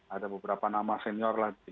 ada beberapa nama senior lah